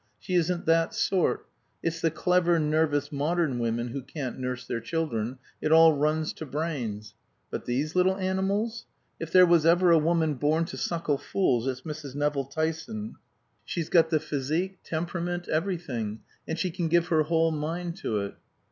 "She isn't that sort. It's the clever, nervous, modern women who can't nurse their children it all runs to brains. But these little animals! If ever there was a woman born to suckle fools, it's Mrs. Nevill Tyson. She's got the physique, the temperament, everything. And she can give her whole mind to it."